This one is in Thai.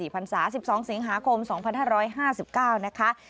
๑๔พันศาสตร์๑๒สิงหาคม๒๕๕๙นะคะ